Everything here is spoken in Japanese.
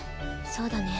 そうだね。